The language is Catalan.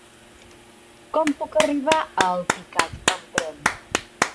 Com puc arribar a Alpicat amb tren?